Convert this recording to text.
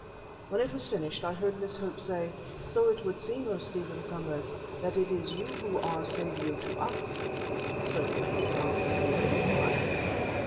When it was finished I heard Miss Hope say: "So it would seem, O Stephen Somers, that it is you who are saviour to us." "Certainly," answered Stephen, "but why?"